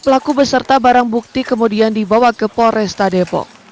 pelaku beserta barang bukti kemudian dibawa ke polresta depok